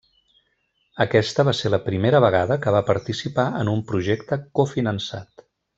Aquesta va ser la primera vegada que va participar en un projecte cofinançat.